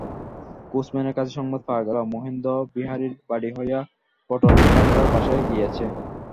কোচম্যানের কাছে সংবাদ পাওয়া গেল, মহেন্দ্র বিহারীর বাড়ি হইয়া পটলডাঙার বাসায় গিয়াছে।